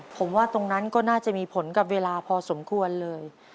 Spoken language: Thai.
ผมว่าตรงนั้นก็น่าจะมีผลกับเวลาพอสมควรเลย